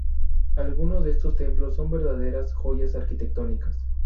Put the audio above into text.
Alguno de estos templos son verdaderas joyas arquitectónicas.